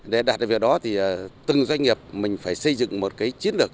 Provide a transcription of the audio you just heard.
để đạt được việc đó từng doanh nghiệp phải xây dựng một chiến lược